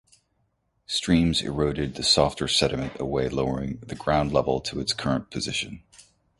Streams eroded the softer sediment away, lowering the ground level to its current position.